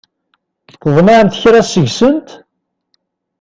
Tḍemɛemt kra seg-sent?